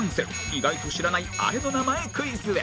意外と知らないあれの名前クイズへ